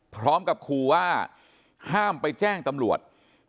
พร้อมกับครูว่าห้ามไปแจ้งตำรวจ